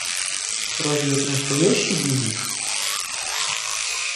Разве это настоящий бизнес?